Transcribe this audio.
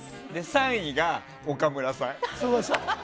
３位が岡村さん。